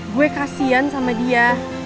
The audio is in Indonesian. gue kasian sama dia